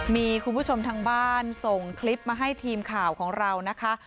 มีคุณผู้ชมทางบ้านส่งคลิปมาให้ทีมข่าวของเรานะคะ